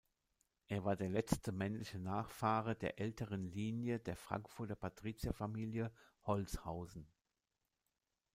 Er war der letzte männliche Nachfahre der älteren Linie der Frankfurter Patrizierfamilie Holzhausen.